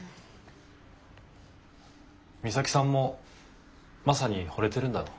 美咲さんもマサにほれてるんだろ？